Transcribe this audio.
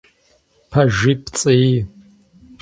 Пэжи, пцӏыи…